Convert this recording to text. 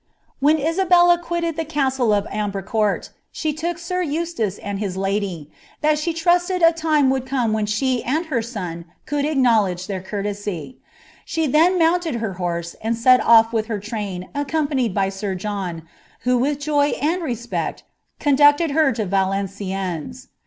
' When Isabella quilled the castle of Ambreiicourl she told sir Euslaee ud his lady, " that she misled a lime would come when she and her son Muld acknowledge their courtesy. She then mounted her horae and )rl ofTwiih her train accompanied by sir John, who with joy and respoci tondncied her to Valenciennes.